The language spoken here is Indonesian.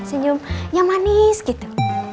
senyum yang manis gitu